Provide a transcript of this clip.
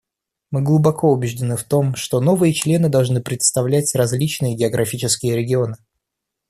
Мы глубоко убеждены в том, что новые члены должны представлять различные географические регионы.